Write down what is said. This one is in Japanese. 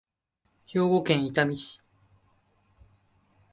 兵庫県伊丹市